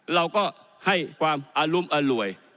เราก็ให้ความอารุมอร่วย